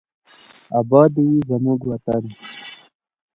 اباد دې وي زموږ وطن.